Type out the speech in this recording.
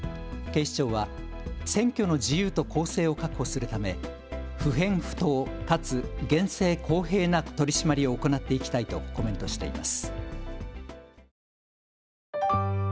警視庁は選挙の自由と公正を確保するため不偏不党かつ厳正公平な取締りを行っていきたいとコメントしています。